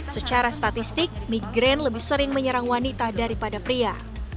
secara statistik migraine lebih sering menyerang wanita daripada pria